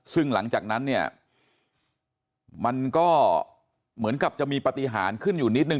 ซึ่งหลังจากนั้นเนี่ยมันก็เหมือนกับจะมีปฏิหารขึ้นอยู่นิดนึ